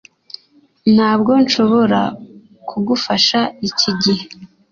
Ntabwo nshobora kugufasha iki gihe